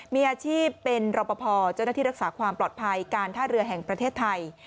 มีอาชีพเป็นรอปภเจ้าหน้าที่รักษาความปลอดภัยการท่าเรือแห่งประเทศไทย